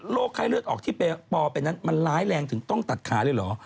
ไข้เลือดออกที่ปอเป็นนั้นมันร้ายแรงถึงต้องตัดขาเลยเหรอ